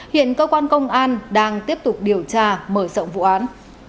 hiện cơ quan công an đang tiếp tục điều tra mở rộng vụ án